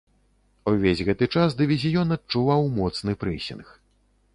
Увесь гэты час дывізіён адчуваў моцны прэсінг.